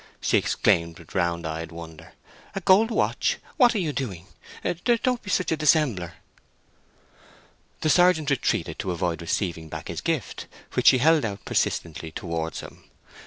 she exclaimed, with round eyed wonder. "A gold watch! What are you doing? Don't be such a dissembler!" The sergeant retreated to avoid receiving back his gift, which she held out persistently towards him.